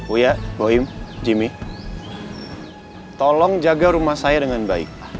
uya bohim jimmy tolong jaga rumah saya dengan baik